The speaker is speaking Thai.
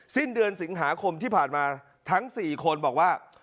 สิ้นเดือนสิงหาคมที่ผ่านมาทั้ง๔คนบอกว่า